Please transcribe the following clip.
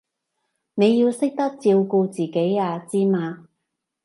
你要識得照顧自己啊，知嘛？